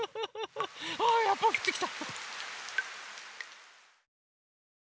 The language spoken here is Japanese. あやっぱりふってきた！